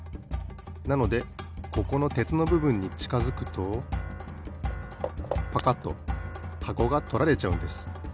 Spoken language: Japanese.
なのでここのてつのぶぶんにちかづくとパカッとはこがとられちゃうんです。